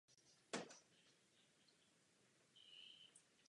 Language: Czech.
Jako jednoduchý příklad lze uvést změnu hesla.